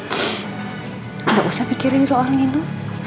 nggak usah pikirin soal nino